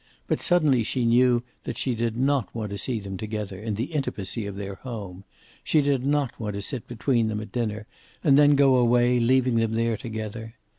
But suddenly she knew that she did not want to see them together, in the intimacy of their home. She did not want to sit between them at dinner, and then go away, leaving them there together.